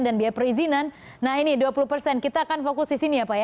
dan biaya perizinan nah ini dua puluh persen kita akan fokus di sini ya pak ya